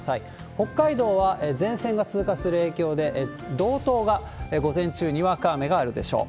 北海道は前線が通過する影響で、道東が午前中、にわか雨があるでしょう。